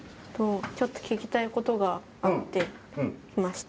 ちょっと聞きたいことがあって来ました。